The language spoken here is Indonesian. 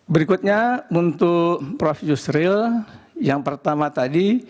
berikutnya untuk prof yusril yang pertama tadi